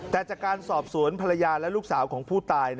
แต่จากการสอบสวนภรรยาและลูกสาวของผู้ตาย